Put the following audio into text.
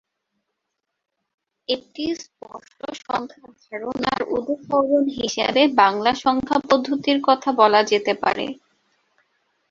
একটি স্পষ্ট সংখ্যা ধারণার উদাহরণ হিসেবে বাংলা সংখ্যা পদ্ধতির কথা বলা যেতে পারে।